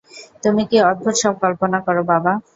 তুমি কী অদ্ভুত সব কল্পনা কর বাবা!